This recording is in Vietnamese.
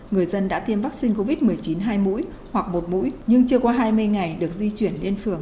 người dân đã tiêm vaccine covid một mươi chín hai mũi hoặc một mũi nhưng chưa qua hai mươi ngày được di chuyển lên phường